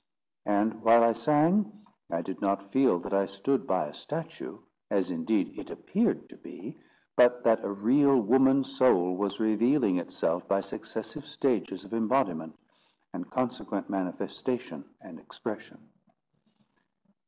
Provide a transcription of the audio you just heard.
And, while I sang, I did not feel that I stood by a statue, as indeed it appeared to be, but that a real woman soul was revealing itself by successive stages of imbodiment, and consequent manifestatlon and expression.